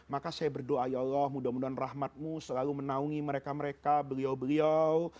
maka saya berdoa ya allah mudah mudahan rahmatmu selalu menaungi mereka mereka beliau beliau